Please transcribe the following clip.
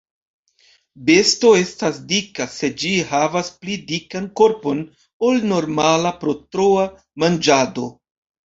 Besto estas dika se ĝi havas pli dikan korpon ol normala pro troa manĝado.